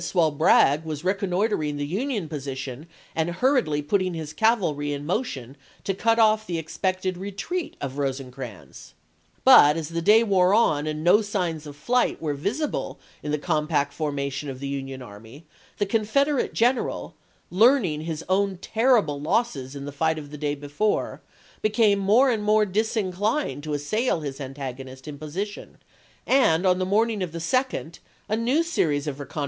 while Bragg was reconnoitering the Union position and huiTiedly putting his cavalry in motion to cut off the expected retreat of Rosecrans. But as the day wore on and no signs of flight were visible in the compact formation of the Union army, the Con federate general, learning his own terrible losses in the fight of the day before, became more and more disinclined to assail his antagonist in position, and on the morning of the 2d a new series of recon Jan.